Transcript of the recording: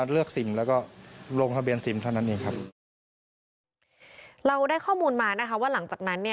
เราได้ข้อมูลมานะคะว่าหลังจากนั้นเนี่ย